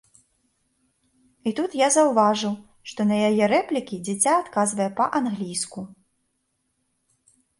І тут я заўважыў, што на яе рэплікі дзіця адказвае па-англійску.